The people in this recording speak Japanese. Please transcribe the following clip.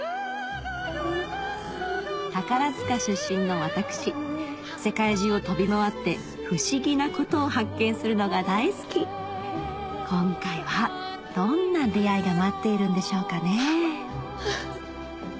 宝塚出身の私世界中を飛び回って不思議なことを発見するのが大好き今回はどんな出会いが待っているんでしょうかね